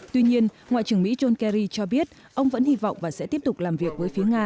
tuy nhiên ngoại trưởng mỹ john kerry cho biết ông vẫn hy vọng và sẽ tiếp tục làm việc với phía nga